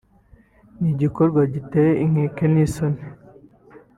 ni igikorwa giteye inkeke n’isoni